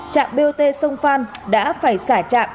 trạm bot sông phan đã phải xả trạm